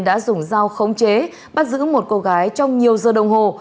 đã dùng dao khống chế bắt giữ một cô gái trong nhiều giờ đồng hồ